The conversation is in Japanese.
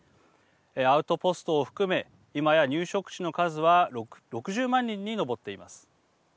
アウトポストを含め今や入植者の数は６０万人に上っています。